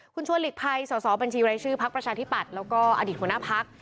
คุณชวนหลีกภัยสอสอบัญชีรายชื่อพักประชาธิปัตย์แล้วก็อดีตหัวหน้าพัก